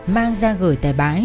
mang ra gửi tài bái